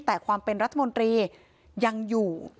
แต่ความเป็นรัฐมนตรียังอยู่